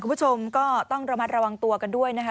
คุณผู้ชมก็ต้องระมัดระวังตัวกันด้วยนะคะ